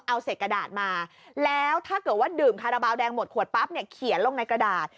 เอาเศษกระดาษมาแล้วถ้าเกิดว่าดื่มคาราบาลแดงหมดขวดปั๊บเนี่ยเขียนลงในกระดาษ